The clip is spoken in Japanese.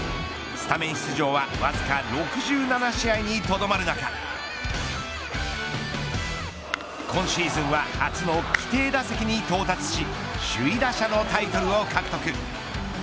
スタメン出場はわずか６７試合にとどまる中今シーズンは初の規定打席に到達し首位打者のタイトルを獲得。